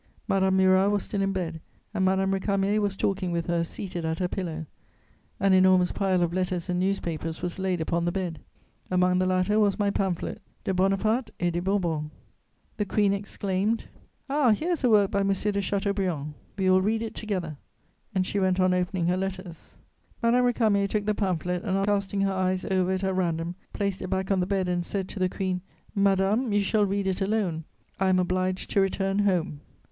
Madame Murat was still in bed and Madame Récamier was talking with her, seated at her pillow; an enormous pile of letters and newspapers was laid upon the bed. Among the latter was my pamphlet, De Bonaparte and des Bourbons. The Queen exclaimed: "Ah, here is a work by M. de Chateaubriand; we will read it together." And she went on opening her letters. Madame Récamier took the pamphlet and, after casting her eyes over it at random, placed it back on the bed and said to the Queen: "Madame, you shall read it alone, I am obliged to return home."